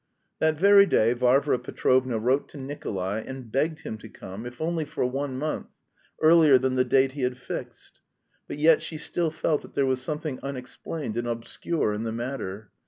That very day Varvara Petrovna wrote to Nikolay, and begged him to come, if only one month, earlier than the date he had fixed. But yet she still felt that there was something unexplained and obscure in the matter.